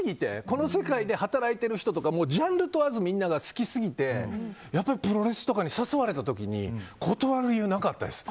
この世界で働いている人とかジャンル問わずみんなが好きすぎてプロレスとかに誘われた時に断る理由がなかったです。